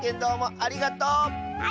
ありがとう！